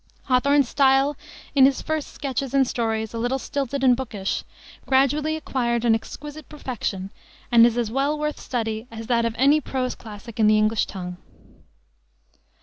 Hawthorne's style, in his first sketches and stories a little stilted and "bookish," gradually acquired an exquisite perfection, and is as well worth study as that of any prose classic in the English tongue.